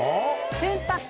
洗濯機。